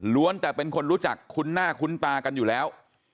แต่เป็นคนรู้จักคุ้นหน้าคุ้นตากันอยู่แล้ว